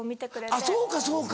あっそうかそうか。